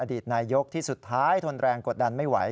ดีตนายกที่สุดท้ายทนแรงกดดันไม่ไหว